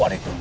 gak ada lagi